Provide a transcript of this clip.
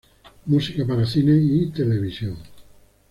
Música para cine y televisión